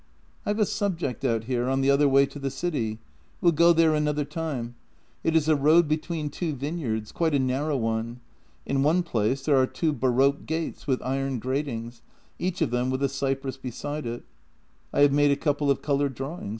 "I've a subject out here — on the other way to the city. We'll go there another time. It is a road between two vine yards — quite a narrow one. In one place there are two baroque gates with iron gratings, each of them with a cypress beside it. I have made a couple of coloured drawings.